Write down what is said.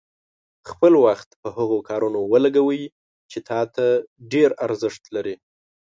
خپل وخت په هغه کارونو ولګوئ چې تا ته ډېر ارزښت لري.